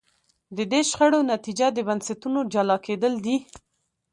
د دې شخړو نتیجه د بنسټونو جلا کېدل دي.